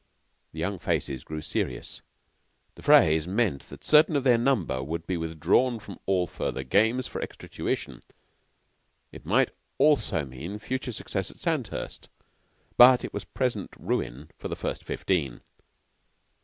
The young faces grew serious. The phrase meant that certain of their number would be withdrawn from all further games for extra tuition. It might also mean future success at Sandhurst; but it was present ruin for the First Fifteen.